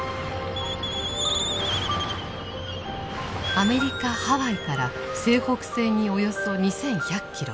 アメリカ・ハワイから西北西におよそ２１００キロ。